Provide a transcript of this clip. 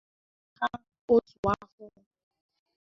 O binyere ha otu afọ.